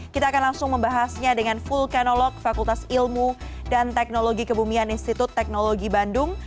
kita akan langsung membahasnya dengan vulkanolog fakultas ilmu dan teknologi kebumian institut teknologi bandung